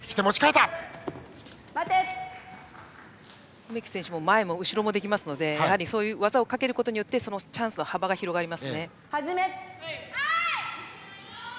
梅木選手は前も後ろもできますのでやはり、技をかけることでチャンスの幅が広がりますね。